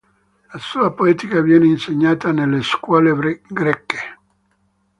La sua poetica viene insegnata nelle scuole greche.